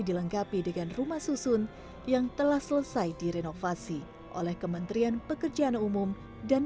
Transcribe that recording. dilengkapi dengan rumah susun yang telah selesai direnovasi oleh kementerian pekerjaan umum dan